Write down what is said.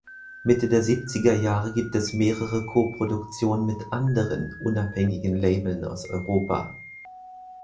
Mitte der siebziger Jahre gibt es mehrere Ko-Produktionen mit anderen unabhängigen Labeln aus Europa.